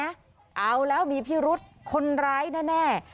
เอาแล้วมีพิรุษคนร้ายแน่